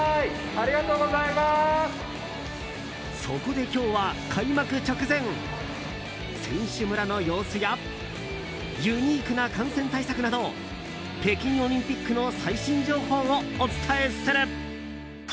そこで今日は、開幕直前選手村の様子やユニークな感染対策など北京オリンピックの最新情報をお伝えする。